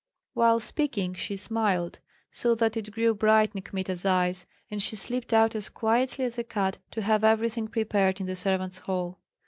While speaking she smiled, so that it grew bright in Kmita's eyes, and she slipped out as quietly as a cat to have everything prepared in the servants' hall.